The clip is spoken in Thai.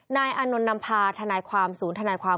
อานนท์นำพาทนายความศูนย์ทนายความ